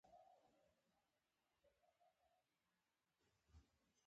لاسونه تودې وي